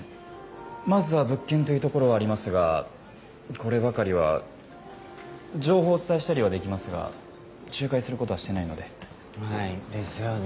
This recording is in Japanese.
まずは物件というところはありますがこればかりは情報をお伝えしたりはできますが仲介することはしてないのではいですよね